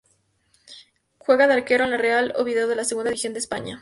Juega de arquero en el Real Oviedo de la Segunda División de España.